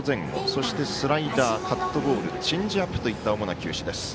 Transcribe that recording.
そして、スライダーカットボールチェンジアップといった主な球種です。